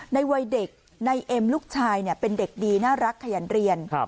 ในวัยเด็กในเอ็มลูกชายเป็นเด็กดีน่ารักขยันเรียน